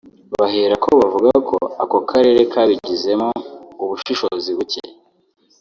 bahera aho bavuga ko ako karere kabigizemo ubushishozi buke